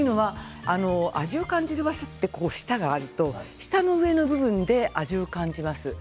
味を感じる場所って舌があると舌の上の部分で味を感じます。